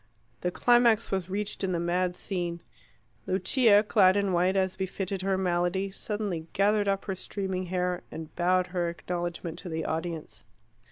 The climax was reached in the mad scene. Lucia, clad in white, as befitted her malady, suddenly gathered up her streaming hair and bowed her acknowledgment to the audience.